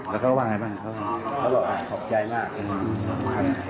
แล้วก็ว่าอย่างไรบ้างเขาบอกขอบใจมาก